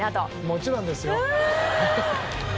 もちろんですよ。うう！